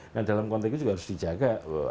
nah dalam konteks ini juga harus dijaga